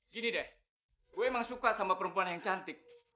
gini deh gue emang suka sama perempuan yang cantik